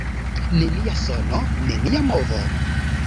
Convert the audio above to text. Nenia sono, nenia movo.